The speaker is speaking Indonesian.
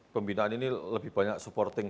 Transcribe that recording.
pembinaan ini lebih banyak supporting